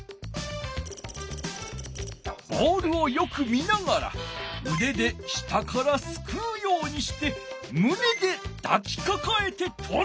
ボールをよく見ながらうでで下からすくうようにしてむねでだきかかえてとる。